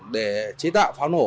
để chế tạo pháo nổ